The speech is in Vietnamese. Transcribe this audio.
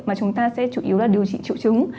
mà chúng ta sẽ chủ yếu là điều trị triệu chứng